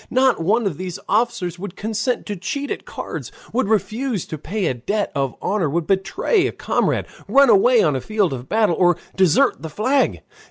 Not one of these officers would consent to cheat at cards, would refuse to pay a debt of honor, would betray a comrade, run away on the field of battle, or desert the flag.